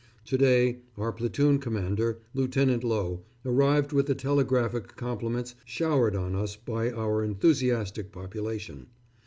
To day our platoon commander, Lieutenant Lowe, arrived with the telegraphic compliments showered on us by our enthusiastic population.